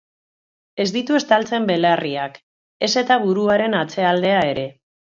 Ez ditu estaltzen belarriak, ez eta buruaren atzealdea ere.